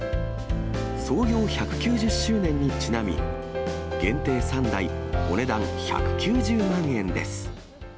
創業１９０周年にちなみ、限定３台、お値段１９０万円です。